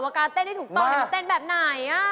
ว่าการเต้นได้ถูกตอบให้เขาเต้นแบบไหน